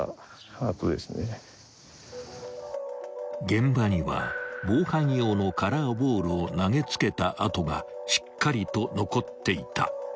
［現場には防犯用のカラーボールを投げ付けた跡がしっかりと残っていた］